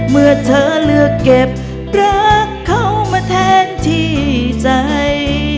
เมื่อเธอเลือกเก็บรักเขามาแทนที่ใจ